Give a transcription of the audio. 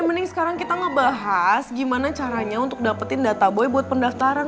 mending sekarang kita ngebahas gimana caranya untuk dapetin data boy buat pendaftaran